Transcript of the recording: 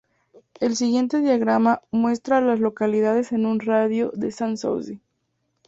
El siguiente diagrama muestra a las localidades en un radio de de Sans Souci.